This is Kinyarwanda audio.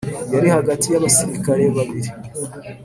Yari hagati y’abasirikare babiri